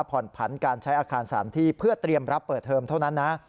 ผ่อนผันการใช้อาคารสถานที่เพื่อเตรียมรับเปิดเทอมเท่านั้นนะ